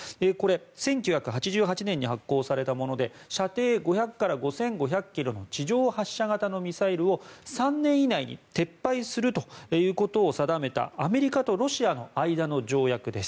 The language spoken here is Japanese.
１９８８年に発効されたもので射程５００から５５００ｋｍの地上発射型のミサイルを３年以内に撤廃することを定めたアメリカとロシアの間の条約です。